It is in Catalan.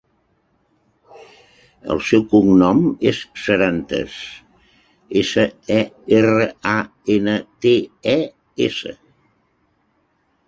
El seu cognom és Serantes: essa, e, erra, a, ena, te, e, essa.